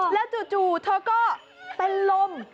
แล้วจู่เธอก็เป็นลม